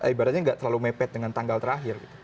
ibaratnya nggak terlalu mepet dengan tanggal terakhir